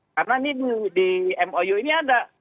karena di mou ini ada